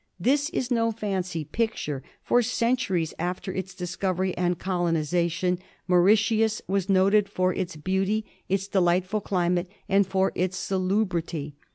This is no fancy picture. For centuries after its dis covery and colonisation Mauritius was noted for its beauty, its delightful climate, and for its salubrity.